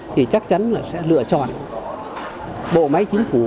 thì chắc chắn là sẽ lựa chọn bộ máy chính phủ